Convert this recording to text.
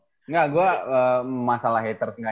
enggak gue masalah haters gak